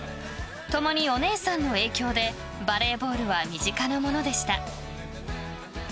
共にお姉さんの影響でバレーボールは身近なものでした。